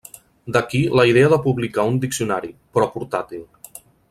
D'aquí la idea de publicar un diccionari, però portàtil.